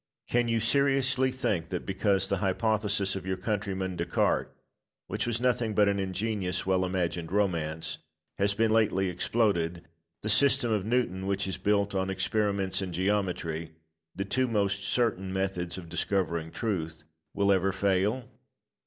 Can you seriously think that because the hypothesis of your countryman Descartes, which was nothing but an ingenious, well imagined romance, has been lately exploded, the system of Newton, which is built on experiments and geometry the two most certain methods of discovering truth will ever fail?